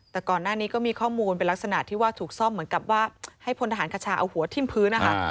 แต่ก่อนหน้านี้ก็มีข้อมูลเป็นลักษณะที่ว่าถูกซ่อมเหมือนกับว่าให้พลทหารคชาเอาหัวทิ้มพื้นนะคะ